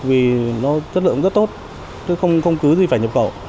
vì nó chất lượng rất tốt chứ không cứ gì phải nhập khẩu